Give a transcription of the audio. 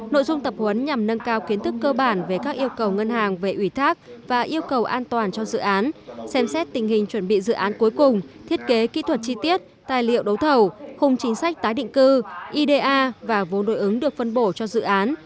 nội dung tập huấn nhằm nâng cao kiến thức cơ bản về các yêu cầu ngân hàng về ủy thác và yêu cầu an toàn cho dự án xem xét tình hình chuẩn bị dự án cuối cùng thiết kế kỹ thuật chi tiết tài liệu đấu thầu khung chính sách tái định cư ida và vốn đối ứng được phân bổ cho dự án